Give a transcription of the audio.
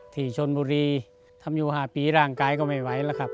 ที่ชนบุรีทำอยู่๕ปีร่างกายก็ไม่ไหวแล้วครับ